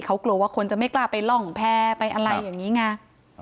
เขากลัวว่าคนจะไม่กล้าไปร่องแพ้ไปอะไรอย่างนี้ไง